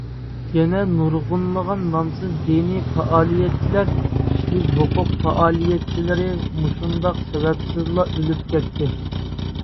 يەنە نۇرغۇنلىغان نامىسىز دىنى پائالىيەتچىلەر ، كىشىلىك ھوقۇق پائالىيەتچىلىرى مۇشۇنداق سەۋەبسىزلا ئۆلۈپ كەتتى.